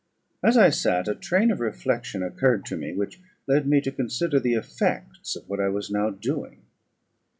As I sat, a train of reflection occurred to me, which led me to consider the effects of what I was now doing.